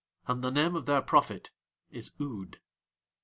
And the name of their prophet is Ood.